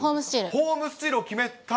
ホームスチールを決めた。